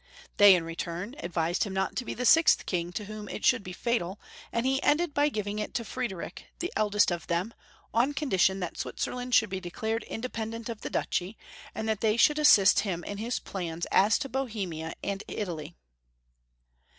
They in return advised him not to be the sixth king to whom it should be fatal, and he ended by giving it to Friedrich, the eldest of them, on condition that Switzerland should be declared in dependent of the duchy, and that they should assist him in his plans as to Bohemia and Italy.